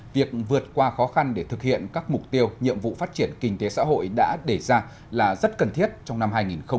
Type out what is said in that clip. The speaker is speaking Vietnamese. việc vượt qua khó khăn để thực hiện các mục tiêu nhiệm vụ phát triển kinh tế xã hội đã đề ra là rất cần thiết trong năm hai nghìn hai mươi